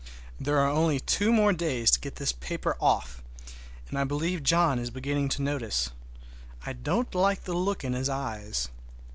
There are only two more days to get this paper off, and I believe John is beginning to notice. I don't like the look in his eyes.